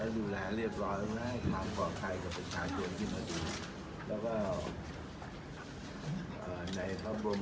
อคุณประราภรรยาดูแลทุกอย่าง